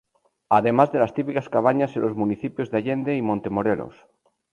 Además de las típicas cabañas en los municipios de Allende y Montemorelos.